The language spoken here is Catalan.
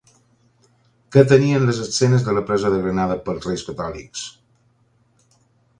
Què tenien les escenes de la presa de Granada pels Reis Catòlics?